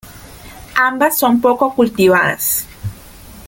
Ambas son poco cultivadas.